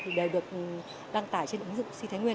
thì đều được đăng tải trên ứng dụng xây thánh nguyên